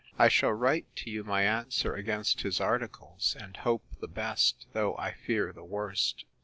I shall write to you my answer against his articles; and hope the best, though I fear the worst.